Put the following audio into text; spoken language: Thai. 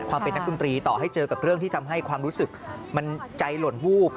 เป็นนักดนตรีต่อให้เจอกับเรื่องที่ทำให้ความรู้สึกมันใจหล่นวูบ